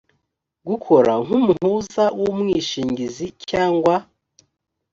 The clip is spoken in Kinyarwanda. gukora nk umuhuza w umwishingizi cyangwa